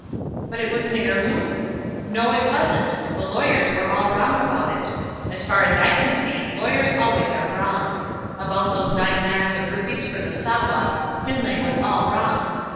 "But it was an heirloom?" "No, it wasn't. The lawyers were all wrong about it. As far as I can see, lawyers always are wrong. About those nine lacs of rupees for the Sawab, Finlay was all wrong.